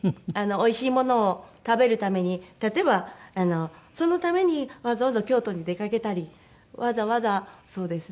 おいしいものを食べるために例えばそのためにわざわざ京都に出かけたりわざわざそうですね。